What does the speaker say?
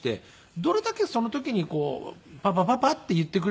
どれだけその時にこう「パパパパ」って言ってくれるか。